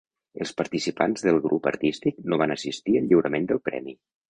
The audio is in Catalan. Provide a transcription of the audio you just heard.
Els participants del grup artístic no van assistir al lliurament del premi.